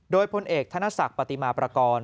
โดยพลเอกธนศักดิ์ปฏิมาประกอบ